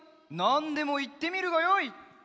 なんでもいってみるがよい！